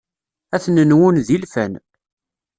Ad ten-nwun d ilfan.